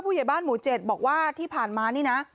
ใหญ่บ้านหมู่๗บอกว่าที่ผ่านมานี่นะ